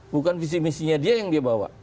bukan visi misinya dia yang dia bawa